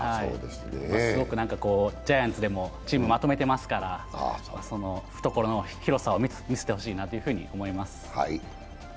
すごくジャイアンツでもチームまとめてますから、懐の広さを見せてほしいなと思います。